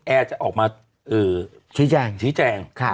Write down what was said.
แอร์จะออกมาชี้แจง